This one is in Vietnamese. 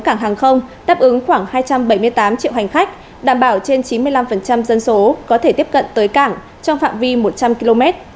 cảng hàng không đáp ứng khoảng hai trăm bảy mươi tám triệu hành khách đảm bảo trên chín mươi năm dân số có thể tiếp cận tới cảng trong phạm vi một trăm linh km